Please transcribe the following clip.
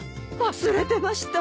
忘れてました。